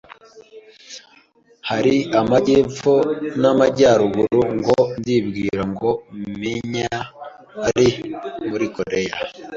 hari amajyepfo n’amajyaruguru, ngo ndibwira ngo menya ari muri Koreya